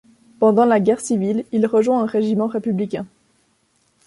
Pendant la Guerre civile il rejoint un régiment républicain.